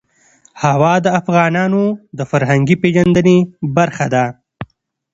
هوا د افغانانو د فرهنګي پیژندنې برخه ده.